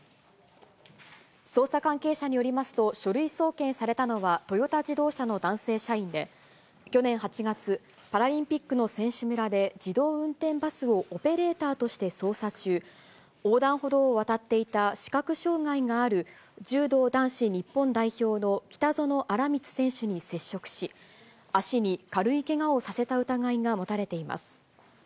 捜査関係者によりますと、書類送検されたのは、トヨタ自動車の男性社員で、去年８月、パラリンピックの選手村で、自動運転バスをオペレーターとして操作中、横断歩道を渡っていた視覚障がいがある柔道男子日本代表の北薗新光選手に接触し、足に軽いけがをさせた疑いが持たれています。